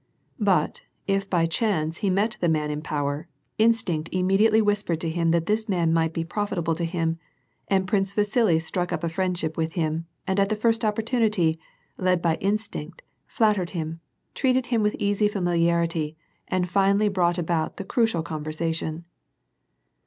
But, if by chance he met the man in power, instinct immediately whispered to him that this man might be profita ble to him, and Prince Vasili struck up a friendship with him, and at the first opportunity, led by instinct, flattered him, treated him with easy familiarity, and finally brought about the crucial conversation.